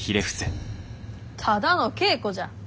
ただの稽古じゃ。